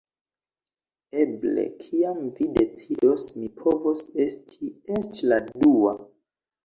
Eble kiam vi decidos, mi povos esti eĉ la dua